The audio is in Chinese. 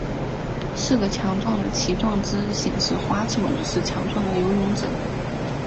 四个强壮的鳍状肢显示滑齿龙是强壮的游泳者。